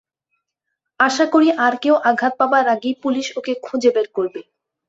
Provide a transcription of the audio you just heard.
আশা করি, আর কেউ আঘাত পাবার আগেই পুলিশ ওকে খুঁজে বের করবে।